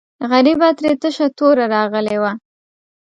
غریبه ترې تشه توره راغلې وه.